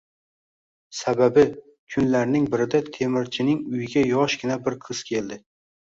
Sababi, kunlarning birida temirchining uyiga yoshgina bir qiz keldi.